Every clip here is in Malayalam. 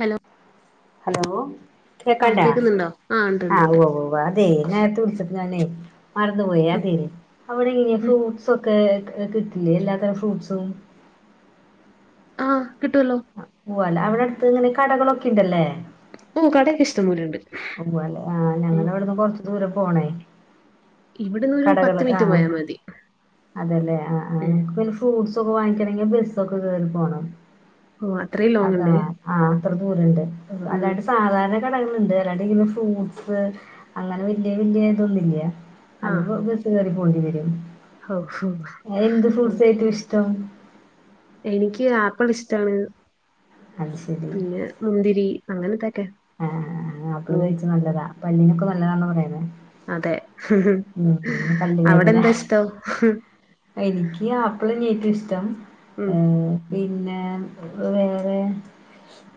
ഹലോ ഹലോ ആഹ് കേക്കണ്ടാ കേക്കുന്നുണ്ടോ ആഹ് ഉണ്ട് ആ ഉണ്ട് ഉണ്ട് ഉവ്വോ ഉവ്വോ പതേ നേരത്തെ വിളിച്ചപ്പ ഞാനെ [unintelligible] മറന്നു പോയെ ഉം അത്‌ അവിടെ ഇങ്ങനെ ഉം ഫ്രൂട്ട്സൊക്കെ കിട്ടില്ലേ എല്ലാത്തരം ഫ്രൂട്ടസും ആ കിട്ടുവല്ലോ ഉവ്വല്ലേ അവിടെ അടുത്ത് ഇങ്ങനെ കടകളൊക്കെ ഇണ്ടല്ലേ ഓ കടയൊക്കെ ഇഷ്ടം പോലെ ഇണ്ട് ഓ അല്ലെ ആഹ ഞങ്ങളെ ഇവിടുന്ന് കൊറച്ച് ദൂരെ പോണേ ഇവിടുന്ന് ഒരു കടകള് പത്ത് മിനിറ്റ് ആഹ പോയാ മതി അതെല്ലേ ആ ആ [unintelligible] ഉം ഫ്രൂട്ട്സ ഒക്കെ വാങ്ങിക്കണങ്കിൽ ബസ്സ് ഒക്കെ കേറി പോണം ഓഹ് അത്രയും ലോങ് അതാ ഉണ്ട് ആഹ അത്ര ദൂരണ്ട് ഉം അല്ലാണ്ട് സാധാരണ കടകളുണ്ട് ഫ്രൂട്സ് അങ്ങനെ വല്യ വല്യ ഇതൊന്നില്ല ആഹ് [unintelligible] കേറി പോണ്ടി വരും ഓഹ് അഹ് എന്ത് ഉം ഫ്രൂട്ട്സാ ഏറ്റവും ഇഷ്ടം എനിക്ക് ആപ്പിൾ ഇഷ്ടാണ് അത് ശരി പിന്നെ മുന്തിരി അങ്ങനെതക്കെ ആഹ അപ്പിള് കഴിച്ച നല്ലതാ പല്ലിനൊക്കെ നല്ലതാണന്ന് പറയുന്നെ അതെ പല്ല് അവിടെ വേദന എന്താ ഇഷ്ടം എനിക്ക് ആപ്പിൾന്നെ ഏറ്റവും ഇഷ്ടം ഉം ഏ പിന്നെ വേറെ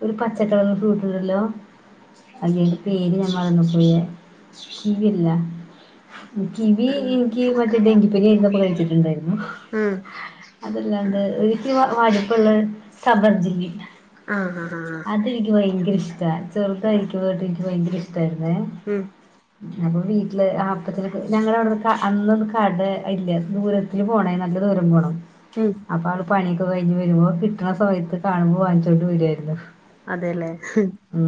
ഒരു പച്ചക്കളറുള്ള ഫ്രൂട്ട് ഉണ്ടല്ലോ അല്ല അയിന്റെ പേര് ഞാൻ മറന്നു പോയി കിവി അല്ല കിവി ഉം ഇനിക്ക് മറ്റേ ഡെങ്കിപനിയായിരുന്നപ്പോ കഴിച്ചിട്ടുണ്ടായിരുന്നു ഉം അതല്ലാണ്ട് ഒരിക്ക വരുപ്പുള്ള സബർജലി ആഹ് ആഹ് അതെനിക്ക് ഭയങ്കര ഇഷ്ടാ ചെറുതായിരികുമ്പോ തൊട്ട് ഇന്ക് ഭയങ്കര ഇഷ്ടായിരുന്നെ ഉം അപ്പൊ വീട്ടില് ആ ഞങ്ങളവിടെ അന്നൊന്നും കട ഇല്ല ദൂരത്തി പോണേ നല്ല ദൂരം പോണം ഉം അപ്പൊ ആള് പണിയൊക്കെ കഴിഞ്ഞ് വെരുമ്പോ കിട്ടണ സമയത്ത് കാണുമ്പോ വാങ്ങിച്ചോണ്ട് വെരുവായിരുന്നു അതെല്ലേ ഉ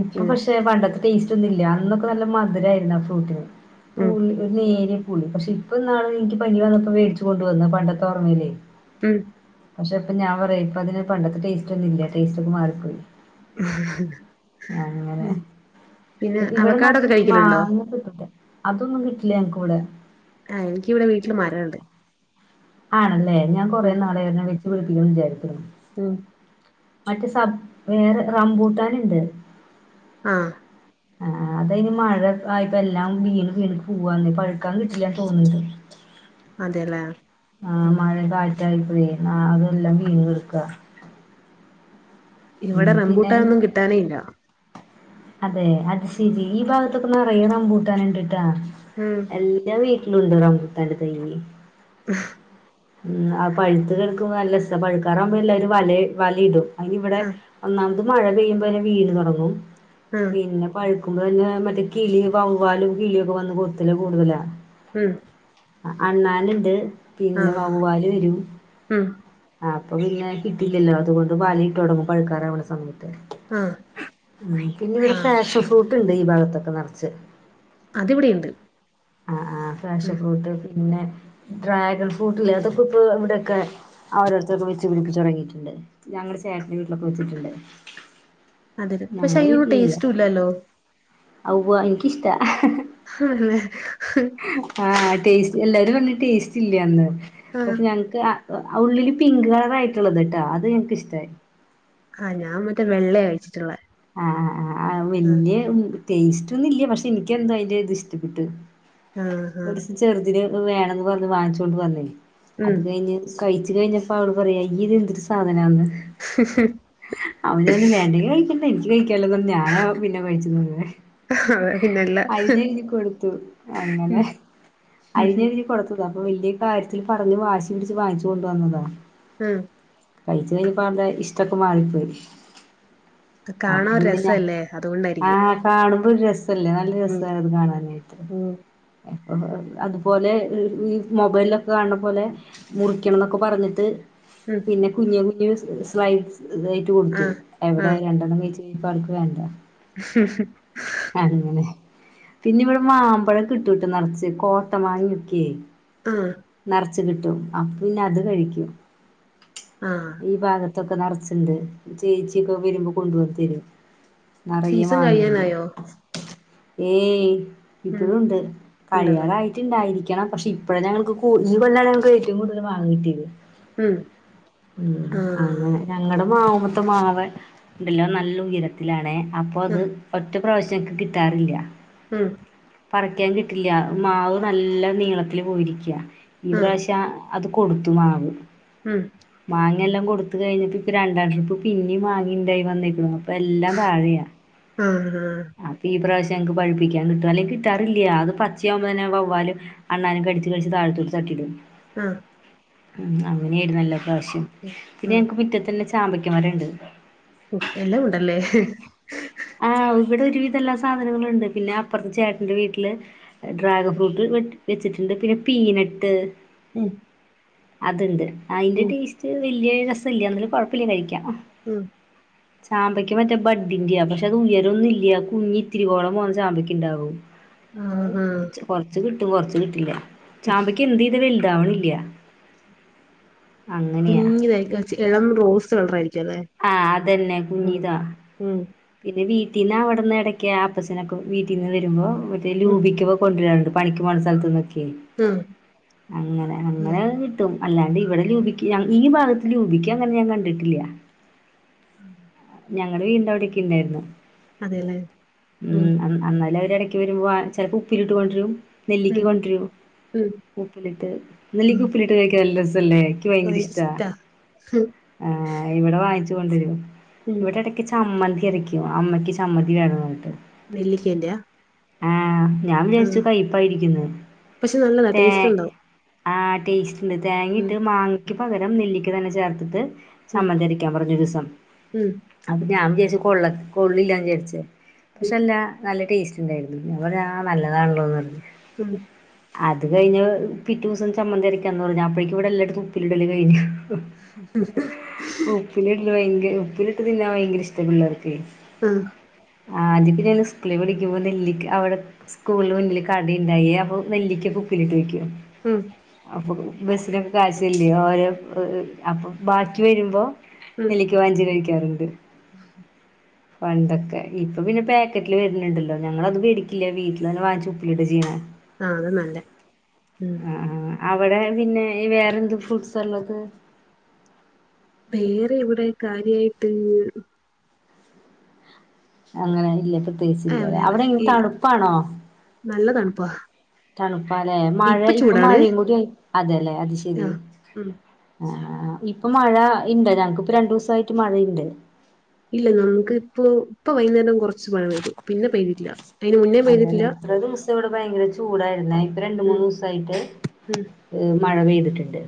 ഇപ്പൊ ഉം പക്ഷെ പണ്ടത്തെ ടേസ്റ്റ് ഒന്നും ഇല്ലാ അന്നൊക്കെ നല്ല മധുരായിരുന്നു ആ ഫ്രൂട്ടിന് ഉം പൂളി ഒരു നേരിയ പുളി പക്ഷെ ഇപ്പ ഇന്നാള് ഇനിക്ക് പനി വന്നപ്പോ വേടിച്ച് കൊണ്ടു വന്നു പണ്ടത്തെ ഓർമയിലെ ഉം പക്ഷെ ഇപ്പൊ ഞാൻ പറയാ ഇപ്പ അതിന് പണ്ടത്തെ ടേസ്റ്റ് ഒന്നുല്ലാ ടേസ്റ്റ് ഒക്കെ മാറിപ്പോയി അങ്ങനെ ഉം പി പിന്നെ ഇവിടെ അവക്കാടൊക്കെ നറച്ചും കഴിക്കലുണ്ടോ മാങ്ങയൊക്കെ കിട്ടൂട്ടാ അതൊന്നും കിട്ടില്ലാ ഞങ്ങക്ക് ഇവടെ ഏഹ് എനിക്ക് ഇവിടെ വീട്ടില് മരണ്ട് ആണല്ലേ ഞാൻ കൊറെ ഉം നാളായി ഒരെണ്ണം വെച്ച് പിടിപ്പിക്കണന്ന് വിചാരിക്കുന്നു ഉം മറ്റേ സബ് വേറെ റംബൂട്ടാന്ണ്ട് ആഹ് ആഹ് അതയിന് മഴക് ആയപ്പ എല്ലാം വീണ് വീണു പൂവാന്നെ പഴുക്കാൻ കിട്ടില്ലാന്ന് തോന്ന്ണ്ട് അതെല്ലേ ആഹ് മഴേം കാറ്റായപ്പഴെ ആഹ് അതെല്ലാം വീണ് കെടക്കാ ഇവടെ പിന്നെ റംബൂട്ടാനൊന്നും കിട്ടാനേ ഇല്ല അതെ അത് ശെരി ഈ ഭാഗത്തൊക്കെ നെറയെ റംമ്പൂട്ടാന്ണ്ട്ട്ടാ ഉം എല്ലാ വീട്ടിലുണ്ട് റംബൂട്ടാന്റെ തൈ [unintelligible] ഉം അത് പഴുത്ത് കെടക്കുമ്പ നല്ലസ പഴുക്കാറാവുമ്പോ എല്ലാരും വലയ് വലടും അയ്നിവടെ ആഹ് ഒന്നാമത് മഴ പെയ്യുമ്പോന്നെ വീണ് തൊടങ്ങും. ആഹ് പിന്നെ പഴുക്കുമ്പോ തന്നെ മറ്റേ കിളി വവ്വാലും കിളിയൊക്കെ വന്ന് കൊത്തല് കൂടുതലാ ഉം ആഹ് അണ്ണാനിണ്ട് പിന്നെ ആഹ് വവ്വാല് വെരും ഉം അപ്പൊ പിന്നെ കിട്ടില്ലല്ലോ അതുകൊണ്ട് വല ഇട്ട് തൊടങ്ങും പഴുക്കാറാവണ സമയത്ത് ആഹ് ഉം പിന്നെ ഇവിടെ ആഹ് ഫാഷൻ ഫ്രൂട്ട്ണ്ട് ഈ ഭാഗത്തൊക്കെ നറച്ച് അതിവിടെയിണ്ട് ആഹ്ആഹ് ഫാഷൻഫ്രൂട്ട് പിന്നെ ഡ്രാഗൺ ഫ്രൂട്ടില്ലേ അതൊക്കെ ഇപ്പൊ ഇവിടെയൊക്കെ ആഹ് ഓരോരുത്തരൊക്കെ വെച്ച് പിടിപ്പിച്ച് തെടങ്ങിയിട്ട്ണ്ട് ഞങ്ങടെ ചേട്ടന്റെ വീട്ടിലൊക്കെ വെച്ചിട്ടൊണ്ട് അതേലെ പക്ഷെ അയിനൊരു ടേസ്‌റ്റൂല്ലല്ലോ ഔവ്വാ എനിക്കിഷ്ട്ടാ ആണല്ലേ ആഹ് ടേസ്റ്റ് എല്ലാരും പറഞ്ഞ് ടേസ്റ്റില്യാന്ന് ആഹ് പക്ഷെ ഞങ്ങക്ക് ആഹ് ആഹ് ഉള്ളില് പിങ്ക് കളറായിട്ടുള്ളത്ട്ടോ അത് ഇൻക്കിഷ്ട്ടായ് ആഹ് ഞാൻ മറ്റേ വെള്ളയാ കഴിച്ചിട്ടിള്ളെ ആഹ് ആഹ് ആഹ് വെല്യ ഉം ടേസ്റ്റൊന്നുല്ല്യാ പക്ഷെ എനിക്കെന്തോ അയ്ന്റെ ഇത് ഇഷ്ട്ടപ്പെട്ട് ആഹ് ആഹ് ചെറുതിന് വേണന്ന് പറഞ്ഞ് വാങ്ങിച്ചോണ്ട് വന്നേ ഉം അത് കഴിഞ്ഞ് കഴിച്ചു കഴിഞ്ഞപ്പോ അവള് പറയാ ഇയ്യി ഇതെന്തൊരു സാധനാന്ന് അവന് പർഞ്ഞ് വേണ്ടെങ്കി കഴിക്കണ്ട എനിക്ക് കഴിക്കാലോന്നും പർഞ്ഞ് ഞാനാ പിന്നെ കഴിച്ചിരുന്നത് അതെ പിന്നല്ല അഴഞ്ഞെയ്തി കൊട്ത്തു അങ്ങനെ ഉം അഴ്ഞ്ഞെഴുതി കൊട്ത്തു. അപ്പോ വല്യ കാര്യത്തിൽ പറ്ഞ്ഞ് വാശി പിടിച്ച് വാങ്ങിച്ചു കൊണ്ട് വന്നതാ. ഉം. കയ്ച്ച് കഴിഞ്ഞപ്പം അവൾടെ ഇഷ്ടൊക്കെ മാറി പ്പോയി. അപ്പ കാണാൻ ഒരു പിന്നെ ഞാ രസല്ലേ അതുകൊണ്ടായിരിക്കും ആഹ്. കാണുമ്പോ ഒരു രസല്ലേ നല്ല ഉം രസാണത് കാണാനായിട്ട്. അതു പോലെ ഈ ഈ മൊബൈലൊക്കെ കാണ് ണ പോലെ. മുറിക്കണംന്നൊക്കെ പറ്ഞ്ഞിട്ട്. ഉം. പിന്നെ കുഞ്ഞു കുഞ്ഞ് സ്ലൈഡ്സ് ഇതായ്ട്ട് കൊട്ത്തു ആഹ് എവ്ടെ ആഹ് രണ്ടെണ്ണം കഴിച്ച് കഴിഞ്ഞപ്പോ അവൾക്ക് വേണ്ട. [inaudible] അങ്ങനെ. പിന്നെ ഇവിടെ മാമ്പഴം കിട്ടുട്ടോ നറ്ച്ച് കോട്ട മാങ്ങയ്ക്ക്യേ. ആഹ്. ന്നറ്ച്ച് കിട്ടും അപ്പിന്നെ അത് കഴിക്കും. ആഹ്. ഈ ഭാഗത്തൊക്കെ നറ്ച്ചിണ്ട് ചേച്ചിയൊക്കെ വരുമ്പോ കൊണ്ട് വന്ന് തെരു നെറയെ സീസൺ മാങ്ങയിണ്ട്. കഴിയാനായോ ഏയ് ഉം ഇപ്പഴൂണ്ട് ഉണ്ടല്ലോ കഴിയാറായി. ട്ട്ണ്ടായിരിക്കണം പക്ഷേ ഇപ്പഴ ഞങ്ങൾക്ക് കൂ ഈ കൊല്ലാണ് ഞങ്ങൾക്ക് ഏറ്റവും കൂടുതൽ മാങ്ങ കിട്ട്യേത്. ഉം ഉം ആഹ് അങ്ങനെ ഞാ ഞങ്ങളടെ മാവ്മത്തെ മാവ് ഉണ്ടല്ലോ അഅ് നല്ല ഉയരത്തിലാണ അപ്പൊ അത്. ആഹ് ഒറ്റ പ്രാവശ്യം എന്ക്ക് കിട്ടാറില്ല. ഉം. പറിക്കാൻ കിട്ടില്ല മാവ് നല്ല നീളത്തില് പോയിരിക്കൃ ഈ ആഹ് പ്രാശ്യം. അത് കൊട്ത്തു മാവ്. ഉം. മാങ്ങ എല്ലാം കൊട്ത്ത് കഴിഞ്ഞപ്പ ഇപ്പൊ രണ്ടാം ട്രിപ്പ് പിന്നിം മാങ്ങ ഇണ്ടായി വന്നേക്ക എല്ലാം താഴെയാ. ആഹ് ആഹ് അപ്പം ഈ പ്രാവശ്യംങ്ങക്ക് പഴിപ്പിക്കൻ കിട്ടും അല്ലെങ്കിൽ കിട്ടാറില്ല അത് പച്ചയാകുമ്പോ തന്നെ വവ്വാല്. അണ്ണാനും കട്ച്ച കഴിച്ച് താഴത്തോട്ട് തട്ടിടും. ആഹ്. ഉം അങ്ങനെയായിര്ന്നല്ലോ ഇപ്രാവശ്യം പിന്നെ ആഹ് ഞങ്ങക്ക് മിറ്റത്തന്നെ ചാമ്പയ്ക്ക മരണ്ട്. ഒ എല്ലാം ഉണ്ടല്ലേ? ആഹ് ഇവിടെ ഒരുവിധ എല്ലാ സാധനങ്ങളുണ്ട് പിന്നെ അപ്പറ്ത്ത് ചേട്ട എന്റെ വീട്ടില് ഡ്രാഗൺ ഫ്രൂട്ട് വെ വെച്ചിട്ടുണ്ട് പിന്നെ പീനട്ട്. ഉം. അത്ണ്ട് അയിന്റെ ഉം ടേസ്റ്റ് വല്യ രസ ഇല്ല എന്നല് കൊഴപ്പില്ല കഴിക്കാം. മ്. ചാമ്പക്ക മറ്റേ ബഡ്ഡിന്റെയാ. [unintelligible] അത് ഉയരൊന്നും ഇല്ല കുഞ്ഞി ഇത്തിരി കോളം പോന്ന ചാമ്പക്കൃണ്ടാവും. ആഹ് ആഹ് കൊറ്ച്ച് കിട്ടും കൊറ്ച്ച് കിട്ടില്ല ചാമ്പയ്ക്കൃ എന്ത് ഇത് വലുതാവണ്ല്ലൃ. കുഞ്ഞിത ച് എളം റോസ് കളറായിരിക്കും അല്ലേ? ആഹ് അതെന്നെ ഉം കുഞ്ഞിതാ. ഉം പിന്നെ വീട്ടീന്ന് അവിട്ന്ന് ഇടയ്ക്കൃ അപ്പച്ചനൊക്കെ വീട്ടീന്ന് വരുമ്പോൾ മറ്റേ ഉം ലൂപിക്ക കൊണ്ടരാറുണ്ട് പണിക്ക്‌ പോണ സ്ഥൽന്നൊക്കെയ് ഉം അങ്ങനെ ഉം അങ്ങനേണെങ്കി ട്ടും അല്ലാണ്ട് ഇവിടെ ലൂപിക്ക ഈ ഭാഗത്ത് ലൂപിക്ക അങ്ങനെ ഞാൻ കണ്ടിട്ടില്ല ഉം ഉം ഞങ്ങടെ വീട്ന്റവ്ടെക്കെ ണ്ടായ്ര്ന്നു അതെല്ലേ ഉം അന്ന് അന്നെല്ലാം അവര് എടയ്ക്ക് വരുമ്പോ ആ ചെലപ്പോ ഉപ്പിലിട്ട് കൊണ്ട്റും നെല്ലിക്ക് ഉം കൊണ്ടരും ഉം ഉപ്പിലിട്ട് നെല്ലിക്ക ഉം ഉപ്പിലിട്ടത് കഴിക്കാ നല്ല രസല്ലേ എനിക്ക് ഭയങ്കര ഇഷ്ടാ ഹും ആ ഇവടെ വാങ്ങിച്ചു കൊണ്ടരും ഉം ഇവിടെട ക്ക്‌ ചമ്മന്തി യരയ്ക്കും അമ്മക്ക് ചമ്മതി വേണന്നർഞ്ട്ട് നെല്ലിക്കേന്റയാ ആ ഞാൻ വിചാര്ച്ചു കയ്പ്പായിരിക്കുന്ന് പക്ഷെ നല്ലതാ തേ ടേസ്റ്റ് ഉണ്ടാവും ആ ടേസ്റ്റ് ണ്ട് ഉം തേങ്ങിയിട്ട് മാങ്ങക്ക് പകരം നെല്ലിക്ക തന്നെ ചേർത്തിട്ട് ഉം സമ്മന്തിരയ്ക്കാൻ പറഞ് ഒര് ദിസം ഉം അപ്പ ഞാൻ വിജാര്ച്ച് കൊള്ളത് കൊള്ളില്ലാന്ന് ജാര്ച്ച് പക്ഷെ അല്ല നല്ല ടേസ്റ്റ് ണ്ടായിര്ന്നു ഞ്ഞാ പർഞ്ഞു ആ നല്ലതാൺല്ലോന്നർഞ് ഉം അത് കഴിഞ്ഞ് പിറ്റൂസം ചമ്മന്തിരിക്കാന്ന് പറഞ്ഞു അപ്പോഴേക്ക്‌ ഇവിടെ എല്ലാട്ത്ത് ഉപ്പിലിടല് കഴിഞ്ഞു ഉം ഉപ്പിലിട്ല് ഭയങ്കര ഉപ്പിലിട്ട് തിന്നാൻ ഭയങ്കര ഇഷ്ട പിള്ളാർക്കേയ് ആഹ് ആദ്യക്കെ ഞാന് സ്കൂളിൽ പഠിക്കുമ്പ നെല്ലിക്ക അവ്ടെ സ്കൂൾന് മുന്നില് കടയിണ്ടായി അപ്പൊ നെല്ലിക്കക്കെ ഉപ്പിലിട്ട് വെക്കോ ഉം അപ്പൊ ബസിനൊക്കെ കാഴ്ചല്ലേ ഓരോ അപ്പൊ ബാക്കി വരുമ്പോ ഉം നെല്ലിക്ക വാങ്ങിച്ച് കഴിക്കാറുണ്ട് [inaudible] പണ്ടൊക്കെ ഇപ്പൊ പിന്നെ പാക്കറ്റില് വര്ന്ണ്ടല്ലോ ഞങ്ങളത് വേടിക്കില്ല വീട്ടിൽ തന്നെ വാങ്ങിച്ചു ഉപ്പിലിടാ ചെയ്യു ന്നേ ആ അതാ ന്നല്ലേ ഉം ആ. അവിടെ പിന്നെ ഈ വേറെന്ത് ഫ്രൂട്സാള്ളത് വേറെ ഇവിടെ കാര്യായിട്ട് അങ്ങനെ ഇല്ല ആഹ് പ്രത്യേകിച്ചില്ലല്ലേ വേറെ അവിടെ എങ്ങനെ ഈ തണുപ്പാണോ നല്ല തണുപ്പാ തണുപ്പാലേ മഴ ഇപ്പൊ മഴയും കൂടി ആയി അതേ ലേ അത് ശെരി ആഹ് ഉം ആ ആ ഇപ്പൊ മഴ ഇണ്ട് ഞങ്ങക്ക് ഇപ്പ രണ്ടു ദിവസായിട്ട് മഴണ്ട് ഇല്ല നമുക്ക് ഇപ്പ ഇപ്പൊ വൈകുന്നേരം കുറച്ച് പഴ പെയ്തു പിന്നെ പെയ്തിട്ടില്ല അയ്ന് മുന്നേം പെയ്തിട്ടില്ല ഇന്ന് ഇവിടെ ഭയങ്കര ചൂടായിരുന്നേ ഇപ്പൊ രണ്ട് മൂന്ന് ഉം ദിവസായിട്ട് ഉം മഴ പെയ്തിട്ടുണ്ട്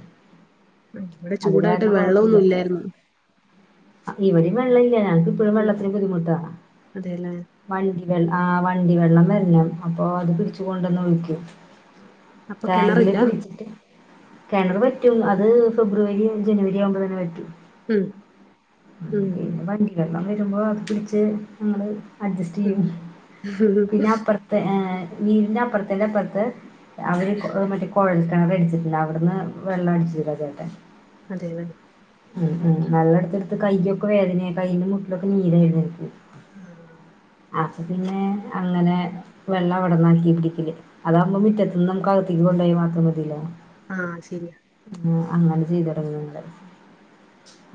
ഇവിടെ അത് ചൂടായിട്ട് കാരണം വെള്ളമൊന്നും ഇല്ലായിരുന്നു അ ഇവടിം വെള്ളം ല്ല്യ ഞങ്ങക്ക് ഇപ്പഴും ഉം വെള്ളത്തിന് ബുദ്ധിമുട്ടാ അതെല്ലേ വണ്ടി വെള്ള ആ വണ്ടി വെള്ളം വരണം അപ്പൊ അത് പിടിച്ച് കൊണ്ടന്ന് ഒഴിക്കും അപ്പൊ ടാങ്കില് കിണറില്ല പിടിച്ചിട്ട് കെണറ് വറ്റും അത് ഫെബ്രുവരിയും ജനുവരി ആവുമ്പ തന്നെ വറ്റും ഉം ഉം പിന്നെ വണ്ടിക്കെള്ളം വരുമ്പോ അത് പിടിച്ച് ഞങ്ങള് അഡ്ജസ്റ്റ് ഉം ചെയ്യും പിന്നെ അപ്പുർത്തെ ഏ വീടിന്റെ അപ്പൊർത്തിൻ്റെ അപ്പൊർത്ത് അവര് കൊ മറ്റേ കൊഴൽ കിണർ അടിച്ചിട്ട്ണ്ട് അവിടന്ന് വെള്ളം അടിച്ചെരും ആ ചേട്ടൻ അതേ ലേ ആഹ് ആഹ് വള്ളടുത്തടുത്തു കയ്യൊക്കെ വേദനയാ കയ്യിന്റെ മുട്ടിലൊക്കെ നീര എഴുന്ന ആഹ് അപ്പം പിന്നെ അങ്ങനെ വെള്ളം അവിടന്നാക്കി പിടിക്കല് അതാവകുമ്പോ മുറ്റത്ത നിന്ന് നമുക്ക്കത്തേക്ക് കൊണ്ടു പോയ മാത്രം മതില്ല ആഹ് ശരിയാ അങ്ങനെ ചെയ്തു തുടങ്ങ നിങ്ങള്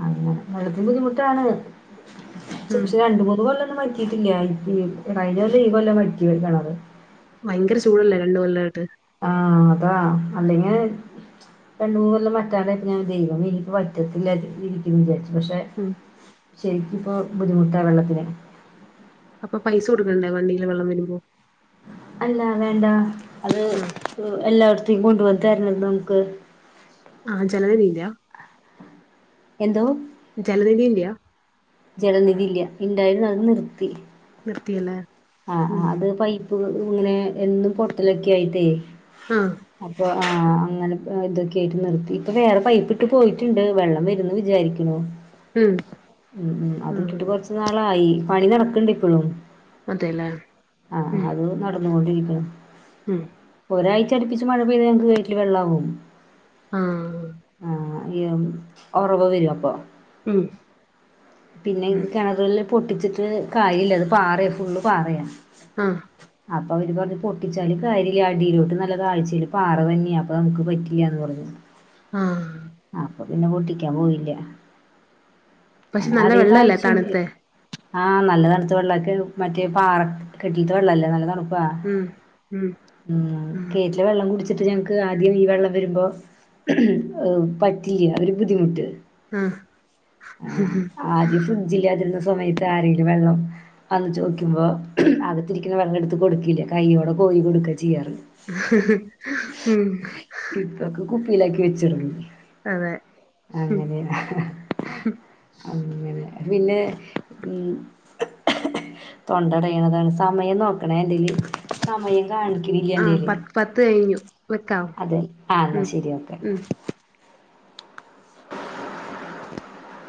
അങ്ങനെ വെള്ളത്തി ബുദ്ധിമുട്ടാണ് ഉം പക്ഷെ രണ്ടുമൂന്ന് കൊല്ല മ അയ്യേ കഴിഞ്ഞ വർഷം ഈ കൊല്ലാ വറ്റിയെ ഒരു കേണർ ഭയങ്കര ചൂടല്ലേ രണ്ട് കൊല്ലയിട്ട് ആഹ് അതാ അല്ലെങ്ക രണ്ട് മൂന്നെല്ലാം വാറ്റതായപ്പോ ഞാൻ ദൈവം എനിക്ക് പറ്റത്തില്ല ഇരിക്കുന്നു വിചാരിച്ചു പക്ഷെ ഉം ശരിക്ക് ഇപ്പോ ബുദ്ധിമുട്ടാണ് വെള്ളത്തിന് അപ്പൊ പൈസ കൊടുക്കണ്ടേ വണ്ടിയില് വെള്ളം വരുമ്പോ അല്ല വേണ്ട അത് ആഹ് എല്ലായിടത്തേും കൊണ്ട വന്ന തരണത് നമുക്ക് ആഹ് ജലനിധിന്റ എന്തോ ജലനിധിയ്ന്റയാ ജലനിധി ഇല്ല ഇണ്ടായിരുന്നു അത് നിർത്തി നിർത്തിയല്ലേ ആഹ് ഉം ആഹ് അത് പൈപ്പ് ഇങ്ങനെ എന്നും പൊട്ടലൊക്കെ ആയിട്ടേ ആഹ് അപ്പൊ ആഹ് അങ്ങനെ ഇതൊക്കെ ആയിട്ട് നിർത്തി ഇപ്പൊ വേറെ പയിപ്പിട്ട് പോയിട്ടുണ്ട് വെള്ളം വരുന്ന് വിചാരിക്കും ഉം ഉം ഉം അത്ട്ടിട്ട് കുറച്ച നാളായി പണി നടക്കണ്ട് ഇപ്പോഴും അതെലെ ആഹ് ആഹ് അത് നടന്നുകൊണ്ടിരിക്ണ് ഉം ഒരാഴ്ച അടുപ്പിച്ചു മഴപെയ്തങ്ങൾക്ക് കേന്ട്ടിൽ വെള്ളമാവും ആഹ് ആഹ് ഏഹ് ഉറവ് വരും അപ്പൊ ഉം പിന്നെ ഉം കിണറുകളില്ൽ പൊട്ടിച്ചിട്ട് കാര്യല്ല അത് പാറ ഫുള്ളും പാറയണ് ആഹ് അപ്പൊ അവര് പറഞ്ഞ് പൊട്ടിച്ചാല് കാര്യില്ല അടിയിലോട്ട് നല്ല താഴ്ചയിൽ പാറ തന്നെയാണ് അപ്പം നമുക്ക് പറ്റില്ല എന്ന് പറഞ്ഞു. ആഹ് അപ്പൊ പിന്നെ പൊട്ടിക്കാൻ പോയില്ല അ പക്ഷെ നല്ല അധികം വെള്ളല്ലേ താഴ്ച്ചൊന്നില്ല. തണുത്തെ ആഹ് നല്ല തണുത്ത് വെള്ളൊക്കെ മറ്റേ പാറ കെട്ടിട്ട് വെള്ളല്ലേ നല്ല തണു പ ഉം ഉം ഉം കേറ്റിലൊ വെള്ളം കു വിട്ട് ഞങ്ങക്ക് ആദ്യം ഈ വെള്ളം വരുമ്പോ പറ്റില്ല അവര് ബുദ്ധിമുട്ട്. ആഹ് ആ ആദ്യ ഫു ജില്ല അതിരുന്ന സമയത്ത് ആരെങ്കിലും വെള്ളം വന്ന് ചോക്കി മ്പോ അകത്തിരിക്കുന്ന വെള്ളം എടുത്ത് കൊടുക്കില്ല കൈയോടെ കോരി കൊടുക്ക ചെയ്യാറ്. ഉം ഇപ്പൊക്കെ കുപ്പിയിലക്കി വെച്ചിരിന്നു അതെ ഉം അങ്ങനെയ അങ്ങനെ പിന്നെ ഉം തൊണ്ട അടയണതാണ് സമയം നോക്കണോ ഇതില് സമയം. കാണിക്കുന്നില്ല ആഹ് എന്റെയില് പത്ത് പത്ത് കഴിഞ്ഞു വെക്കാവോ അതെ ആഹ് എന്നാ ഉം ശരി ഉം ഓക്കെ [inaudible]